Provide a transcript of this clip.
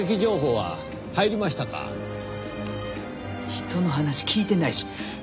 人の話聞いてないし。